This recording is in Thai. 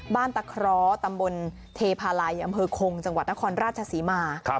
บ้านตะคร้อตำบลเทพารายอำเภอโคงจังหวัดนครราชศรีมา